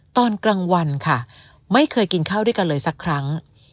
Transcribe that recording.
ตอนกลางวันค่ะไม่เคยกินข้าวด้วยกันเลยสักครั้ง